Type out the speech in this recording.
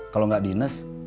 kalau gak di ines